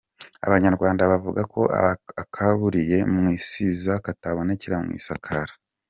Abanyarwanda bavuga ko akaburiye mu isiza katabonekera mu isakara.